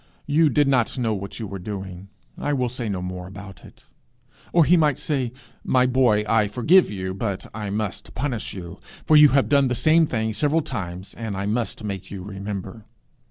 You did not know what you were doing. I will say no more about it.' Or he might say 'My boy, I forgive you; but I must punish you, for you have done the same thing several times, and I must make you remember.'